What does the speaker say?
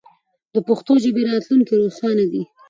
د پښتو ژبې راتلونکی روښانه دی.